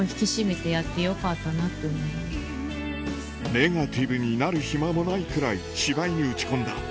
ネガティブになる暇もないくらい芝居に打ち込んだ